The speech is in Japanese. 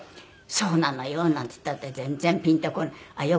「そうなのよ」なんて言ったって全然ピンとこない。